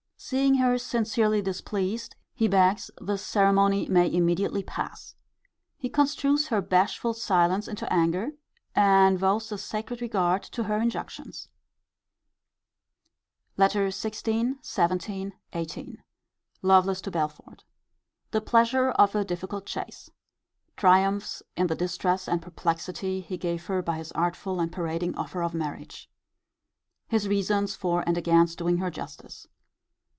Seeing her sincerely displeased, he begs the ceremony may immediately pass. He construes her bashful silence into anger, and vows a sacred regard to her injunctions. LETTER XVI. XVII. XVIII. Lovelace to Belford. The pleasure of a difficult chace. Triumphs in the distress and perplexity he gave her by his artful and parading offer of marriage. His reasons for and against doing her justice.